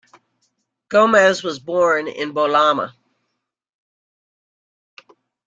Gomes was born in Bolama.